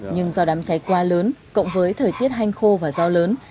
nhưng do đám cháy qua lớn cộng với thời tiết hanh khô và gió lớn